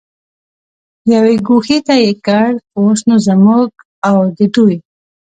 یوې ګوښې ته یې کړ، اوس نو زموږ او د دوی.